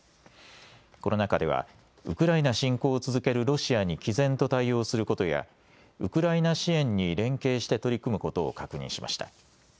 この中ではウクライナ侵攻を続けるロシアにきぜんと対応することやウクライナ支援に連携して取り組むことを確認しました。